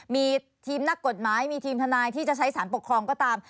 มีทีมนักกฎหมายมีทีมทนายที่จะใช้สารปกครองก็ตาม